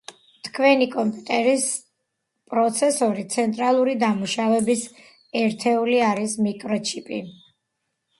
თქვენი კომპიუტერის პროცესორი ცენტრალური დამუშავების ერთეული არის მიკროჩიპი